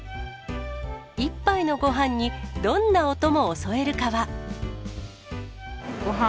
一杯のごはんに、どんなお供を添えるかは。